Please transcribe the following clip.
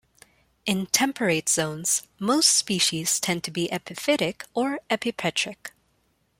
In temperate zones, most species tend to be epiphytic or epipetric.